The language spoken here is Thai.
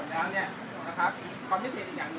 สวัสดีครับ